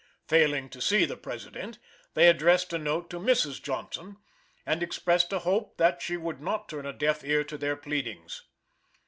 Failing to see the President, they addressed a note to Mrs. Johnson, and expressed a hope that she would not turn a deaf ear to their pleadings.